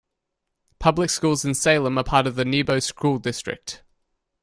Public schools in Salem are part of the Nebo School District.